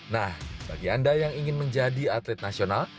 nah bagi anda yang ingin menjadi atlet nasional